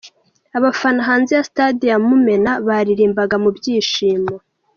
Abafana hanze ya Stade ya Mumena baririmbaga mu byishimo.